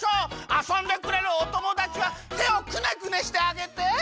あそんでくれるおともだちはてをくねくねしてあげて！